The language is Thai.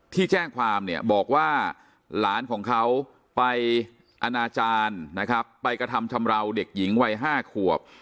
ที่แจ้งความเนี่ยบอกว่าหลานของเขาไปอนาจารย์นะครับไปกระทำชำราวเด็กหญิงวัย๕ขวบ